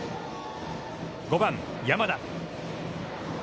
５番山田。